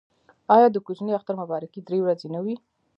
آیا د کوچني اختر مبارکي درې ورځې نه وي؟